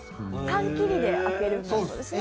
缶切りで開けるんだそうですね。